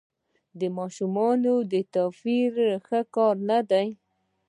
د ماشومانو توپیر ښه کار نه دی.